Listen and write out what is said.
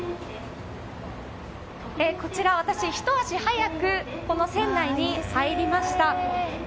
私、ひと足早く船内に入りました。